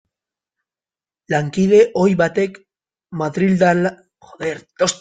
Lankide ohi batek, madrildarra bera, sarri erabiltzen zuen.